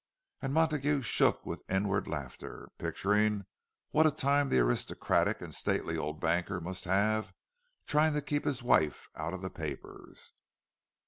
And Montague shook with inward laughter, picturing what a time the aristocratic and stately old banker must have, trying to keep his wife out of the papers!